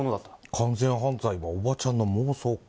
完全犯罪はおばちゃんの妄想か。